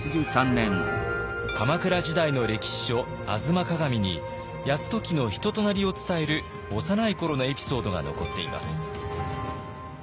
鎌倉時代の歴史書「吾妻鏡」に泰時の人となりを伝える幼い頃のエピソードが残っています。